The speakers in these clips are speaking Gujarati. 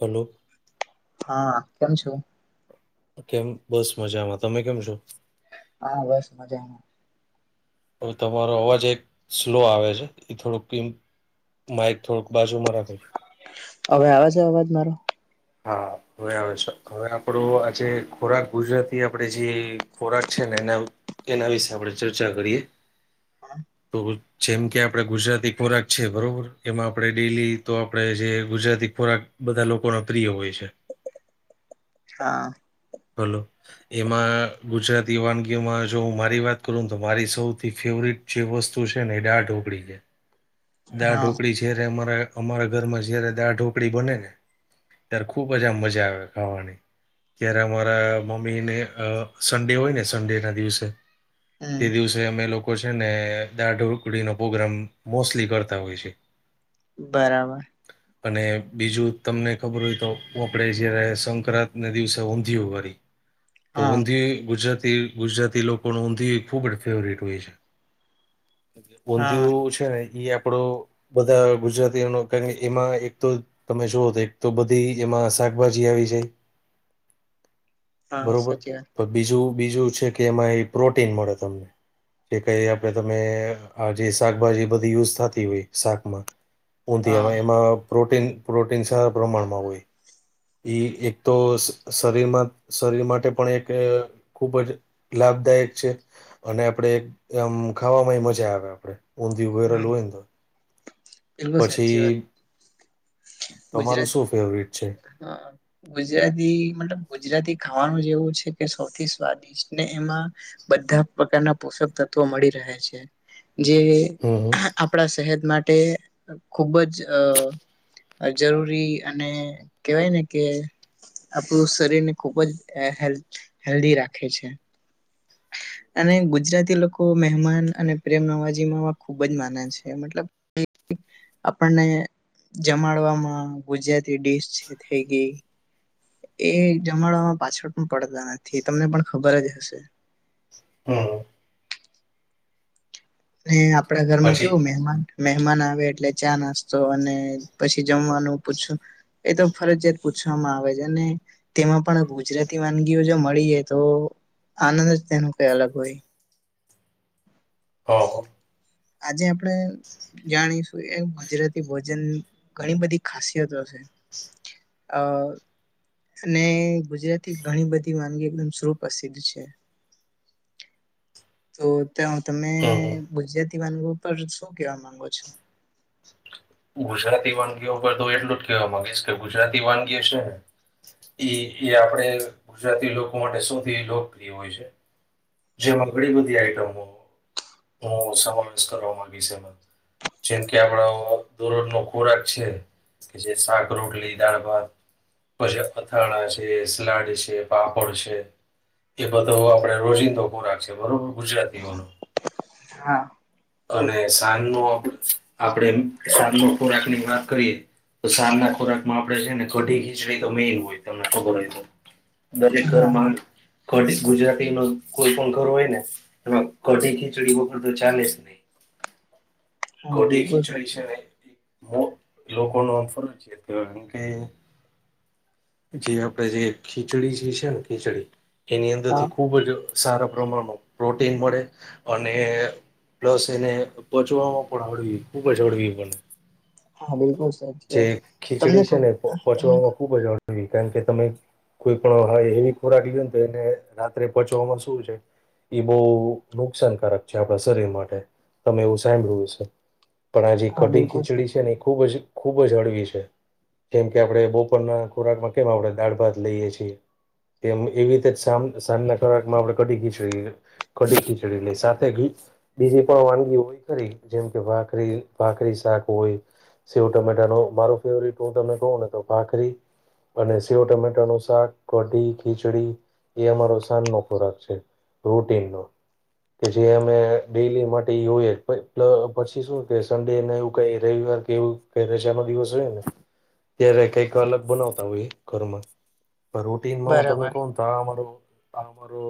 હલો હા કેમ છો કેમ બસ મજામાં તમે કેમ છો હા બસ મજામાં હવે તમારો અવાજ એક સ્લો આવે છે એ થોડુંક કી માઇક થોડુંક બાજુમાં રાખો હવે આવે છે અવાજ મારો હા હવે આવે છે હવે આપણો આજે ખોરાક ગુજરાતી આપણેે જે ખોરાક છે ને એના એના વિશે આપણેે ચર્ચા કરીએ તો જેમ કે આપણેે ગુજરાતી ખોરાક છે બરોબર એમાં આપણે ડેલી તો આપણે જે ગુજરાતી ખોરાક બધા લોકો નો પ્રિય હોય છે હા હલો એમાં ગુજરાતી વાનગીઓમાં જો હું મારી વાત કરુંને તો મારી સૌથી ફેવરિટ જે વસ્તુ છે ને એ દાળ ઢોકળી છે દાળ હા ઢોકળી છે જયારે અમારા અમારા ઘરમાં જયારે દાળ ઢોકળી બને ને ત્યારે ખૂબજ આમ મજા આવે ખાવાની એ મારા મમ્મી ને અ સન્ડે હોય ને સન્ડે ના દિવસે તે હમ દિવસે અમે લોકો છે ને દાળ ઢોકળી નો પ્રગ્રામ મોસ્ટલી કરતા હોય છે બરાબર અને બીજું તમને ખબર હોય તો આપડે જયારે સંક્રાંત ના દિવસે ઊંધ ઉંધીયું કરી તો હા ઊંધિયુ ગુજરાતી ગુજરાતી લોકો નું ઊંધિય ખુબ જ ફેવરટ હોય છે હા ઊંધિયું છે ને એ આપડો બધા ગુજરાતીઓનો કારણ એમાં એક તો તમે જોવો તો એક તો બધી એમાં શાકભાજી આવી જાય હા બરોબર સાચી વાત પણ બીજું બીજું છે કે એમાં એ પ્રોટીન મળે તમને કે કઈ આપડે તમે આ જે શાકભાજી બધી યુઝ થતી હોય શાકમાં હા ઊંધિયામાં એમાં પ્રોટીન પ્રોટીન સારા પ્રમાણમાં હોય ઈ એક તો શરીરમાં શરીર માટે પણ એક ખૂબ જ લાભદાયક છે અને આપડે એક આમ ખાવામાંય મજા આવે આપડે ઊંધિયુ હા વેરેલું હોય ને તો બિલકુલ સાચી પછી વાત તમારું ગુજરાતી શું ફેવરિટ છે હા ગુજરાતી મતલબ ગુજરાતી ખાવાનું જ એવું છે કે સૌથી સ્વાદિષ્ટ ને એમાં બધા પ્રકારના પોષક તત્વો મળી રહે છે જે હમ. આપણા સેહત માટે ખુબ જ અ જરૂરી અને કેવાય ને કે આપણું શરીર ને ખુબ જ હેલ-હેલ્ધી રાખે છે અને ગુજરાતી લોકો મહેમાન અને પ્રેમ નવાજીમાં ખુબ જ માને છે મતલબ આપણને જમાડવામાં ગુજરાતી ડીશ છે થઈ ગઈ એ જમાડમાં પાછળ પણ પડતા નથી તમને પણ ખબર જ હશે હા ને આપણા ઘરમાં પછી કેવું મહેમાન મહેમાન આવે એટલે ચા નાસ્તો અને પછી જમવાનું પૂછે એ તો ફરજિયાત પૂછવામાં આવે જ અને તેમાં પણ ગુજરાતી વાનગીઓ જો મળી જાય તો આનંદ જ તેનું કઈ અલગ હોય હ આજે આપડે જાણીશું એમ ગુજરાતી ભોજન ઘણી બધી ખાસિયતો છે અ અને ગુજરાતી ઘણી બધી વાનગી એકદમ સુપ્રસિદ્ધ છે તો ત્યાં તમે હમ ગુજરાતી વાનગી પર શું કેવા માંગો છો ગુજરાતી વાનગીઓ પર તો એટલું જ કેવા માંગીશ કે ગુજરાતી વાનગીઓ છે ને એ એ આપડે ગુજરાતી લોકો માટે સૌથી લોકપ્રિય હોય છે જેમાં ઘણી બધી આઈટમો નો હું સમાવેશ કરવા માંગીશ એ જેમ કે એમાં હું દરોજનો ખોરાક છે કે જે સાક રોટલી દાળ ભાત પછી અથાણા છે સલાડ છે પાપડ છે એ બધો આપણે રોજિંદો ખોરાક છે બરોબર ગુજરાતીઓનો હા અને સાંજનો આપણે સાંજનો ખોરાક ની વાત કરીએ તો સાંજના ખોરાક માં આપણે જોઈએને કઢી ખીચડી તો મેઈન હોય તમને ખબર હોય તો દરેક હા હા ઘરમાં કઢી ગુજરાતી નો કોઈ પણ ઘર હોય ને એમાં કઢી ખીચડી વગર તો ચાલે જ નહી હા કોટી બિલકુલ ખીચડી સાચી છે ને મો લોકો ન આમ ફરજીયાત એમ કે જે આપડે જે ખીચડી જે છે ને ખીચડી એની અંદર હા થી ખુબ જ સારા પ્રમાણમાં પ્રોટીન મળે અને પ્લસ એને પચવામાં પણ હડવી ખુબ જ હળવી પણને હા બિલકુલ સાચી જે વાત તમને ખીચડી છે ને ખબર તમને પચવામાં ખ- ખુબ જ હળવી કારણ કે તમે કોઈ પણ હેવી ખોરાક લ્યોને તો એને રાત્રે પચવામાં એવુ છે એ બઉ નુકસાનકારક છે આપણા શરીર માટે તમે એવું સાંભળ્યું હશે પણ આ જે હા કઢિ બિલકુલ ખીચડી છે સાચી ને એ વાત ખુબ જ ખુબ જ હળવી છે જેમ કે આપણે બપોરના ખોરાકમાં કેમ આપણે દાળ ભાત લઈએ છીએ તેમ એવી રીતે સાજ સાંજના ખોરાક માં આપડે કઢી ખીચડી લઈએ કડી ખીચડી લઈ સાથે ઘી બીજી પણ વાનગી હોય ખરી જેમ કે ભાખરી ભાખરી શાક હોય સેવ ટમેટાનો મારો ફેવરેટ હું તમને કવ ને તો ભાકરી અને સેવ ટમેટા નું શાક કઢી ખીચડી એ અમારો સાંજનો ખોરાક છે રૂટીનનો કે જે અમે ડેલી માટે એ હોય પછી શું કે સંડેને એવું કઈ રવિવાર એવુ કે રજા નો દિવસ હોય ને ત્યારે કઈક અલગ બનાવતા હોય ઘરમાં પણ રો ટ્રેનમાં હું તમને બરાબર કઉં ને તો આ અમારો આ અમારો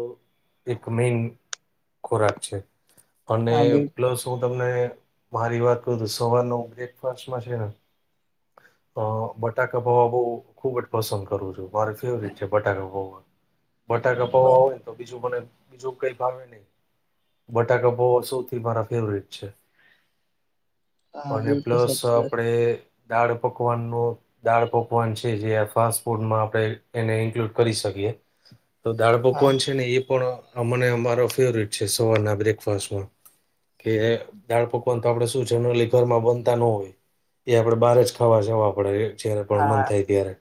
એક મેન ખોરાક છે અને હા બિલકુલ પ્લસ હું તમને મારી વાત કઉ તો સવારનો બ્રેકફાસ્ટમાં છે ને અ બટાકા પૌવા બઉ ખુબ જ પસંદ કરું છું મારે ફેવરિટ છે બટાકા પૌવા બટાકા પવા હોય બરાબર તો બીજું મને બીજું કઈ ભાવે નહી બટાકા પૌઆ સૌથી મારા ફેવરેટ છે હા અને બિલકુલ પ્લસ સાચી વાત આપડે દાળ પકવાન નો દાળ પકવાન છે જે ફાસ્ટ ફૂડમાં આપણે એને ઇન્કલુડ કરી શકીએ તો દાળ હા પકવાન છે ને એ પણ મને અમારો ફેવરટ છે સવારના બ્રેકફાસ્ટમાં કે દાળ પકવાન તો આપડે શું જનરલી ઘરમાં બનતા ન હોય એ આપણેે બારે જ ખાવા જવા પડે જ્યારે પણ મન હા થાય ત્યારે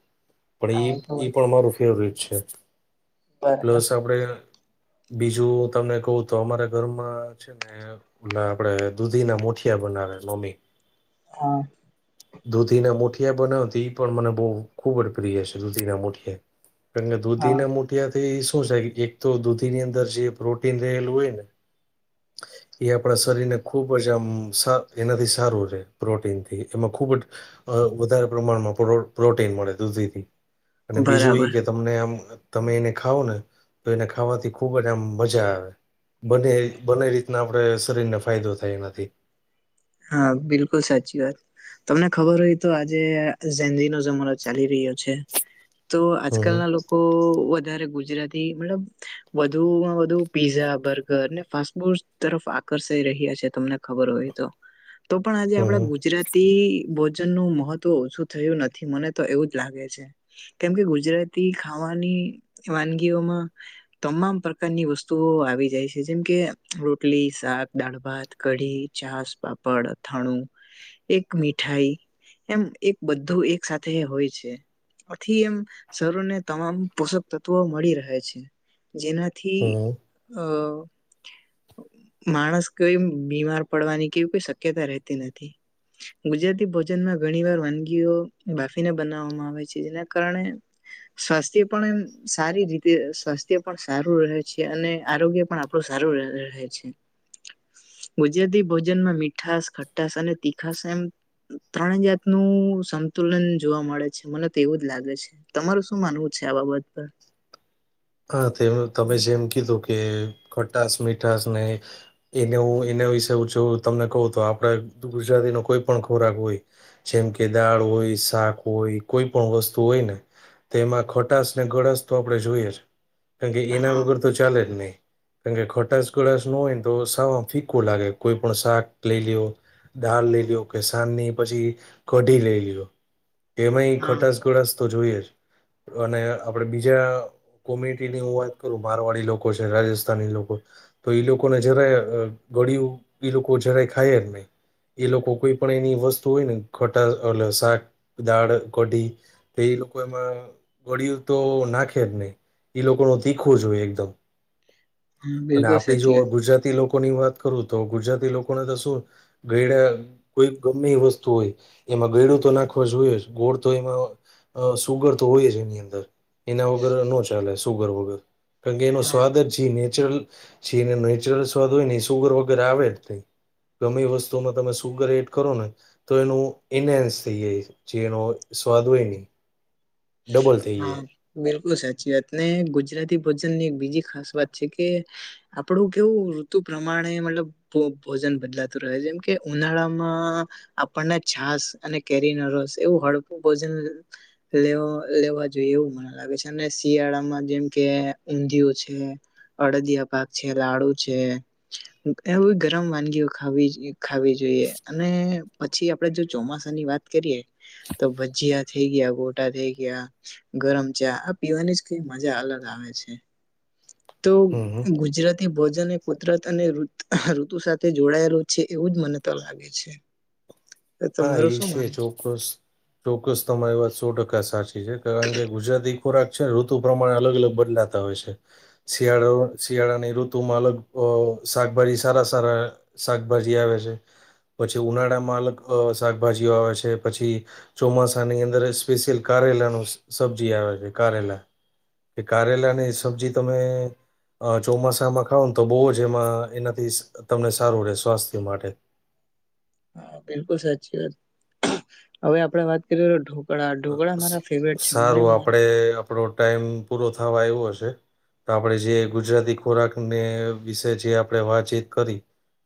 પણ હા એ તો ઈ વાત પણ મારું ફેવરેટ છે બરાબર પ્લસ આપડે બીજું હું તમને કઉ ને તો અમારા ઘરમાં છે ને ઓલા આપડે દૂધી ના મુઠિયા બનાવે મમ્મી હા દૂધીના મુઠિયા બનાવતી ઈ પણ મને બહુ ખૂબ જ પ્રિય છે દૂધીના મુઠિયા કે દૂધી હા ના મુઠીયાથી શું એક તો દૂધી ની અંદર જે પ્રોટીન રહેલું હોયને એ આપણા શરીરને ખૂબ જ આમ એનાથી સારું રહે પ્રોટીનથી એમાં ખૂબ જ અ વધારે પ્રમાણમાં પ્રોટીન મળે દુધીથી અને બીજું બરાબર ઈ કે તમને આમ તમે એને ખાવને તો એને ખાવાથી ખૂબ જ આમ મજા આવે બને બને રીતના આપણે શરીરને ફાયદો થાય એનાથી હા બિલકુલ સાચી વાત તમને ખબર હોય તો આજે જેનઝી નો જમાનો ચાલી રહ્યો છે તો હમ આજકાલના હમ લોકો વધારે ગુજરાતી મતલબ વધુમાં વધુ પીઝા બર્ગર ને ફાસ્ટ ફૂડ તરફ આકર્ષાઈ રહ્યા છે તમને ખબર હોય તો તો પણ આજે આપડા હમ ગુજરાત તિ ભોજન નું મહત્વ ઓછું થયું નથી મને તો એવું જ લાગે છે કેમ કે ગુજરાતી ખાવાની વાનગીઓમાં તમામ પ્રકારની વસ્તુઓ આવી જાય છે જેમ કે રોટલી શાક દાળ ભાત કઢી છાસ પાપડ અથાણું એક મીઠાઈ એમ એક બધું એક સાથે હોય છે. આથી એમ શરીરનુ તમામ પોષક તત્વો મળી રહે છે જેના થી હમ અ માણસ કઈમ બીમાર પડવાની કે કોઈ શક્યતા રહેતી નથી. ગુજરાતી ભોજનમાં ઘણી વાર વાનગીઓ બાફીને બનાવવામાં આવે છે એના કારણે સ્વાસ્થ્ય પણ એમ સારી રીતે સ્વાસ્થ્ય પણ સારું રહે છે અને આરોગ્ય પણ આપ ડુ સારું ર રહે છે ગુજરાતી ભોજનમાં મીઠ્ઠાસ ખટ્ટાસ અને તીખાસ એમ ત્રણે જાતનું સંતુલન જોવા મળે છે મને તો એવું જ લાગે છે તમારું શું માનવું છે આ બાબતે? હા તે તમે જેમ કીધું કે ખટાશ મીઠાસ ને એને હું એના વિશે હુ જો તમને કહું તો આપડે ગુજરાતીનો કોઈ પણ ખોરાક હોય જેમ કે દાળ હોય શાક હોય કોઈ પણ વસ્તુ હોય ને એમાં ખોટાશ ને ગળાશ તો આપડે જોઈએ જ કાણકે એના હા વગર તો ચાલે જ નઈ કાણ કે ખટાશ ઘળશ ન હોયને તો સાવ ફીકો લાગે કોઈ પણ શાક લઈ લેવ દાળ લઈ લ્યો કે સાંજની પછી કઢી લેઈ લ્યો. એમાંય હા ખટાસ ગળાશ તો જોઈએ જ અને આપડે બીજા કોમ્યુનિટીની હું વાત કરું મારવાડી લોકો છે રાજસ્થાની લોકો તો ઈ લોકો ને જરાય ગળ્યુ અ ઈ લોકો જરાય ખાય જ નઈ ઈ લોકો કોઈ પણ એની વસ્તુ હોય ને ખટા ઓલા શાક દાળ કઢી તે એ લોકો એમાં ગળિયું તો નાંખે જ નઈ ઈ લોકોનો તીખો જોઈએ એકદમ હા અને બિલકુલ આપડી જો સાચી વાત ગુજરાતી લોક કોની વાત કરું તો ગુજરાતી લોકોને તો શું ઘઈડા કોઈ ગમે એ વસ્તુ હોય એમાં ગયડું તો નાખવા જોઈએ ગોળ તો એમાં અ સુગર તો હોય જ એની અંદર એના વગર નો જ ચાલે સુગર વગર કાણ કે એનો હા સ્વાદ જ જે નેચરલ છે એને નેચરલ સ્વાદ હોય ને સુગર વગેરે આવે જ નઈ ગમે એ વસ્તુમાં તમે સુગર એડ કરો ને તો એનું ઇનહન્સ થઈ જાય જે એનો સ્વાદ હોય ને એ હાં બિલકુલ સાચી વાત ને ગુજરાતી ભોજનની એક બીજી ખાસ વાત છે કે આપડું કેવું ઋતુ પ્રમાણે મતલબ ભો ભોજન બદલાતું રહે જેમ કે ઉનાળામાં આપડને છાસ અને કેરીનો રસ એવું હળપું ભોજન લેવા લેવા જોઈએ એવું લાગે છે અને શિયાળામાં જેમ કે ઊંધિયું છે અડદિયા પાક છે લાડુ છે એવી ગરમ વાનગીઓ ખાવી જોઈ ખાવી જોઈએ અને પછી આપડે જો ચોમાસાની વાત કરીએ તો ભજીયા થઈ ગયા ગોટા થઈ ગ્યા ગરમ ચા આ પીવાની જ કઈક મજા અલગ આવે છે. તો હમ હમ ગુજરાત એ ભોજન એ કુદરત અને ઋત ઋતુ સાથે જોડાયેલું છે એવું જ મને તો લાગે છે તો હા એ તમારું શું છે માનવું ચોક્કસ ચોક્કસ તમારી વાત સો ટકા સાચી છે કારણ કે ગુજરાતી ખોરાક છે ઋતુ પ્રમાણે અલગ અલગ બદલા હોય છે, શિયાળો શિયાળાની ઋતુ માં અલગ અ શાકભાજી સારા સારા. શાકભાજી આવે છે, પછી ઉનાળામાં અલગ અ શાકભાજીઓ આવે છે પછી ચોમાસાની અંદર સ્પેશિયલ કારેલા નું સ સબ્જી આવે છે કારેલા. કે કારેલા ની સબ્જી તમે અ ચોમાસામાં ખાવ ન તો બહુ જ એમાં એનાથી સ તમને સારું રહેે સ્વાસ્થ્ય માટે. હા બિલકુલ સાચી વાત, હવે આપણેે વાત કરીઔ અ સ સારું આપડે આપડો ટાઈમ પૂરો થવા આયવો હશે, તો આપણેે જે ગુજરાતી ખોરાક ને વિશે જે આપણેે વાતચીત કરી.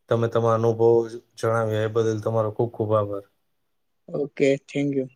તમે તમા અનુભવો જણાવ્યા એ બદલ તમારો ખુબ ખુબ આભાર. Okay thank you.